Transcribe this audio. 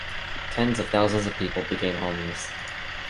Tens of thousands of people became homeless.